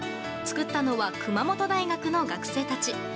作ったのは熊本大学の学生たち。